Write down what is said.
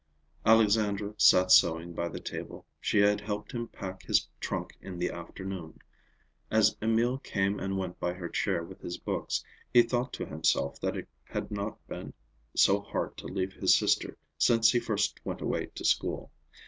Alexandra sat sewing by the table. She had helped him pack his trunk in the afternoon. As Emil came and went by her chair with his books, he thought to himself that it had not been so hard to leave his sister since he first went away to school.